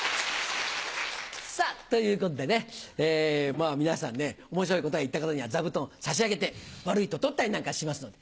さぁということでね皆さん面白い答えを言った方には座布団を差し上げて悪いと取ったりなんかしますので。